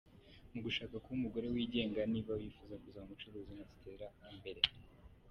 Mu gushaka kuba umugore wigenga nifuza kuzaba umucuruzi nkaziteza imbere.